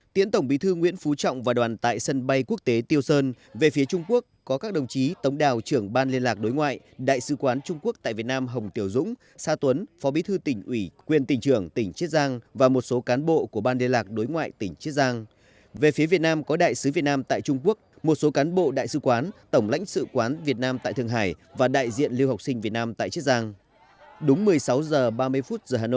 tổng bí thư nguyễn phú trọng và đoàn đại biểu cấp cao việt nam đã rời thành phố hàng châu tỉnh chiết giang về nước kết thúc tốt đẹp chuyến thăm chính thức trung quốc trong thời gian bốn ngày từ ngày một mươi một tới ngày một mươi năm tháng một